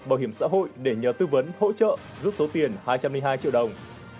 bảo hiểm xã hội để nhờ tư vấn hỗ trợ giúp số tiền hai trăm linh hai triệu đồng